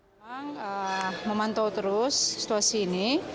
memang memantau terus situasi ini